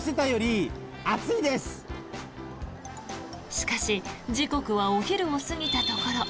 しかし、時刻はお昼を過ぎたところ。